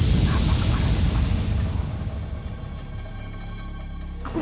kenapa kemarahnya pas yang itu